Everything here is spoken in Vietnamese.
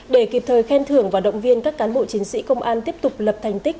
để kịp thời khen thưởng và động viên các cán bộ chiến sĩ công an tiếp tục lập thành tích